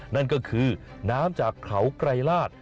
นั่นก็คือน้ำจากเขาไกรลาศ